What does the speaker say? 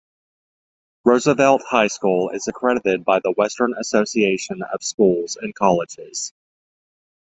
Roosevelt High School is accredited by the Western Association of Schools and Colleges.